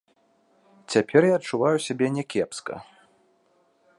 Цяпер я адчуваю сябе някепска.